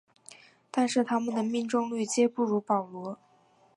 但是它们的命中率皆不如保罗。